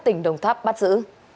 tỉnh đồng tháp bắt giữ